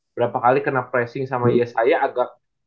berapa kali kena pressing sama yesaya agak